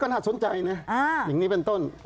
ก็น่าจะสนใจเนอะยังนี้เป็นต้น